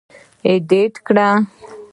اېډېټ کړ.